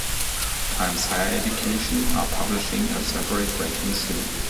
Times Higher Education are publishing a separate ranking soon.